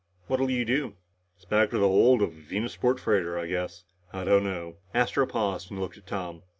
"What'll you do?" "It's back to the hold of a Venusport freighter, I guess. I don't know." Astro paused and looked at Tom.